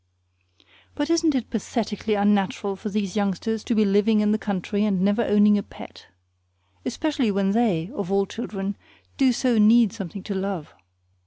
But isn't it pathetically unnatural for these youngsters to be living in the country and never owning a pet? Especially when they, of all children, do so need something to love.